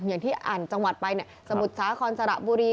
อย่างที่อ่านจังหวัดไปเนี่ย